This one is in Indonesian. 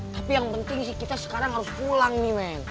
tapi yang penting sih kita sekarang harus pulang nih men